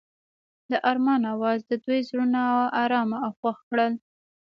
د آرمان اواز د دوی زړونه ارامه او خوښ کړل.